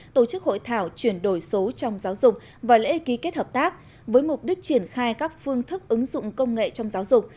tổ chức hội thảo chuyển đổi số trong giáo dục và lễ ký kết hợp tác với mục đích triển khai các phương thức ứng dụng công nghệ trong giáo dục